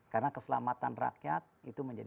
karena keselamatan rakyat itu menjadi